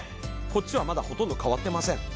こちらはまだほとんど変わっていません。